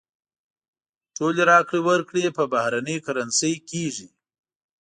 ټولې راکړې ورکړې په بهرنۍ کرنسۍ کېږي.